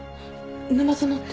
沼園って？